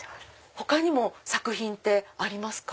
他にも作品ってありますか？